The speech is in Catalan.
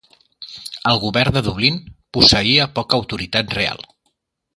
El govern de Dublín posseïa poca autoritat real.